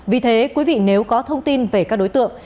vì thế quý vị nếu có thông tin về các đối tượng